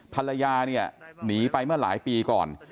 ภรรยาเนี่ยหนีไปเมื่อหลายปีก่อน